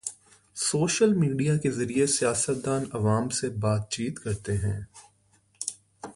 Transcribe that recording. Social media کے ذریعے سیاستدان عوام سے بات چیت کرتے ہیں۔